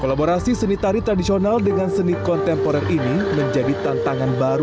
kolaborasi seni tari tradisional dengan seni kontemporer ini menjadi tantangan baru